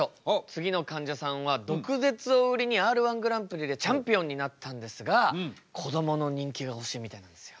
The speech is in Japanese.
次のかんじゃさんは毒舌を売りにＲー１グランプリでチャンピオンになったんですがこどもの人気が欲しいみたいなんですよ。